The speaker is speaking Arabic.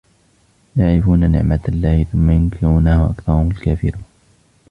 يعرفون نعمت الله ثم ينكرونها وأكثرهم الكافرون